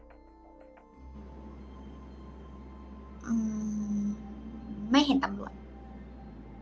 อืมแม่เห็นตำรวจ